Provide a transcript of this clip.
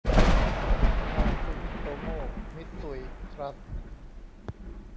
ธนาคารซูมิโตโม มิตซุย ทรัสต์